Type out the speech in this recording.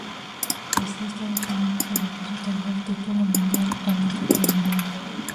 Así, Estados Unidos se llevó su tercer título mundial en la categoría.